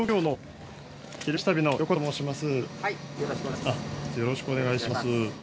よろしくお願いします。